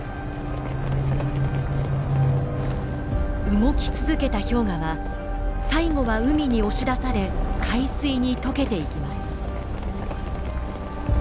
動き続けた氷河は最後は海に押し出され海水にとけていきます。